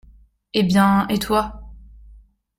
Eh bien, et toi ?